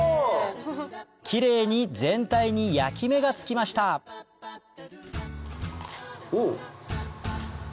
キレイに全体に焼き目がつきましたうん！